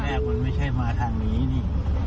แรกมันไม่ใช่มาทางนี้นี่